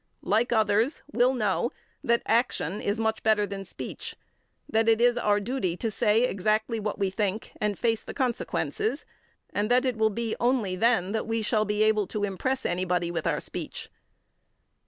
like others, will know that action is much better than speech; that it is our duty to say exactly what we think and face the consequences, and that it will be only then that we shall be able to impress anybody with our speech; 16.